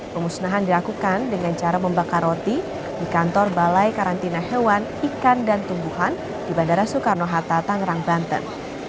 pemusnahan dilakukan dengan cara membakar roti di kantor balai karantina hewan ikan dan tumbuhan di bandara soekarno hatta tangerang banten